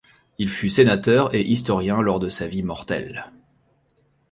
Il fut sénateur et historien lors de sa vie mortelle.